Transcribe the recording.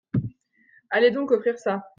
Allez donc offrir ça !…